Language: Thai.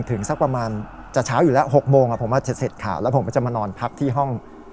สักประมาณจะเช้าอยู่แล้ว๖โมงผมจะเสร็จข่าวแล้วผมก็จะมานอนพักที่ห้อง